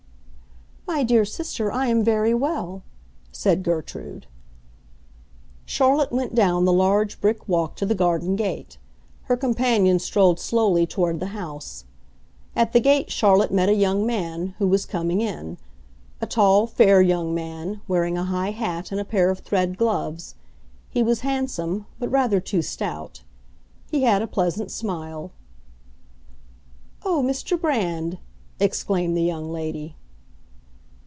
"My dear sister, I am very well!" said Gertrude. Charlotte went down the large brick walk to the garden gate; her companion strolled slowly toward the house. At the gate Charlotte met a young man, who was coming in—a tall, fair young man, wearing a high hat and a pair of thread gloves. He was handsome, but rather too stout. He had a pleasant smile. "Oh, Mr. Brand!" exclaimed the young lady.